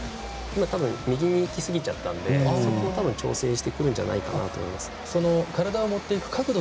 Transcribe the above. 多分、右にいきすぎちゃったんであそこを調整してくるんじゃないかと思います。